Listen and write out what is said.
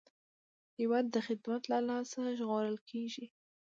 هېواد د خدمت له لاسه ژغورل کېږي.